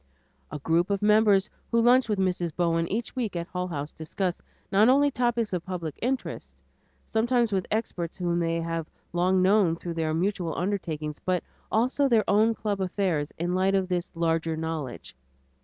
A group of members who lunch with Mrs. Bowen each week at Hull House discuss, not only topics of public interest, sometimes with experts whom they have long known through their mutual undertakings, but also their own club affairs in the light of this larger knowledge.